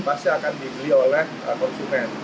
pasti akan dibeli oleh konsumen